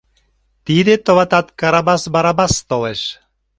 Тиде, товат, Карабас Барабас толеш.